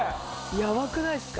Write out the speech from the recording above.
やばくないですか？